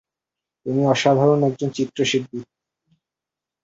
তুমি অসাধারণ একজন চিত্রশিল্পী।